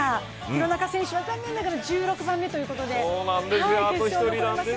廣中選手は残念ながら１６番目ということで。